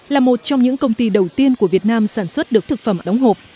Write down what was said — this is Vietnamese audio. là một trong những công ty đầu tiên của việt nam sản xuất được thực phẩm đóng hộp